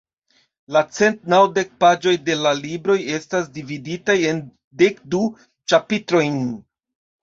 La cent naŭdek paĝoj de la libro estas dividitaj en dek du ĉapitrojn.